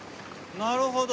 なるほど。